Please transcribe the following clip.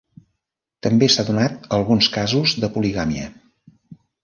També s'ha donat alguns casos de poligàmia.